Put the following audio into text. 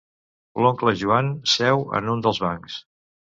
L'oncle Joan seu en un dels bancs.